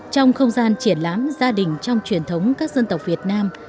trong không gian triển lãm gia đình trong truyền thống các dân tộc việt nam